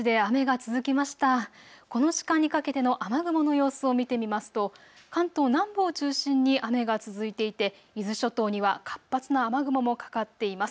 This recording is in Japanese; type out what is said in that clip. この時間にかけての雨雲の様子を見てみますと関東南部を中心に雨が続いていて伊豆諸島には活発な雨雲もかかっています。